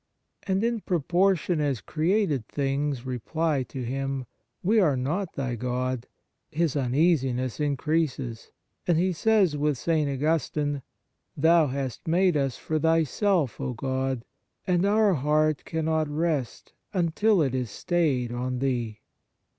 And in pro portion as created things reply to him, "We are not thy God," his uneasiness increases, and he says with St. Augustine :" Thou hast made us for Thyself, O God, and our heart cannot rest until it is stayed on Thee."